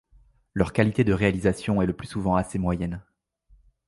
Leur qualité de réalisation est le plus souvent assez moyenne.